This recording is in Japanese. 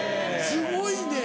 すごいで。